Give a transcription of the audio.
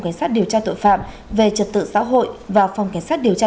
cảnh sát điều tra tội phạm về trật tự xã hội và phòng cảnh sát điều tra